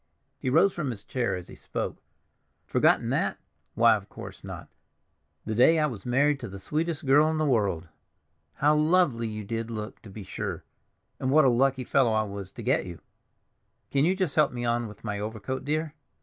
He rose from his chair as he spoke. "Forgotten that? Why, of course not; the day I was married to the sweetest girl in the world! How lovely you did look, to be sure, and what a lucky fellow I was to get you! Can you just help me on with my overcoat, dear?